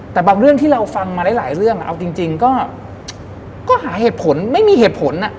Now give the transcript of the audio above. แต่บางเรื่องที่เราฟังมาหลายเรื่องเอาจริงก็หาเหตุผลไม่มีเหตุผล